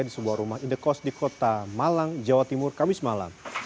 di sebuah rumah indekos di kota malang jawa timur kamis malam